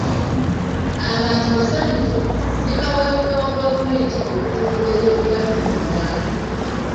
Abantu basanyufu ne kaweefube wa gavumenti okutumbula ebyobulamu mu Uganda